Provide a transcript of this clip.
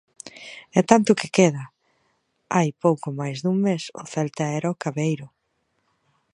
E tanto que queda, hai pouco máis dun mes o Celta era o cabeiro.